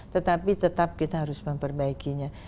tetapi tetap kita harus memperbaikinya